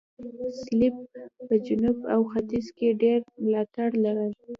سلپيپ په جنوب او ختیځ کې ډېر ملاتړي لرل.